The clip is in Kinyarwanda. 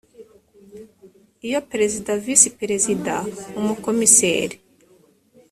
iyo perezida visi perezida umukomiseri